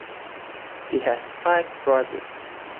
He has five brothers.